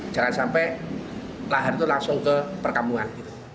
jangan sampai lahar itu langsung ke perkambungan